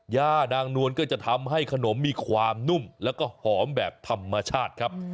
ย่านางนวลก็จะทำให้ขนมมีความนุ่มแล้วก็หอมแบบธรรมชาติครับ